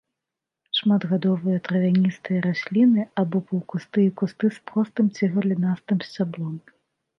Шматгадовыя травяністыя расліны або паўкусты і кусты з простым ці галінастым сцяблом.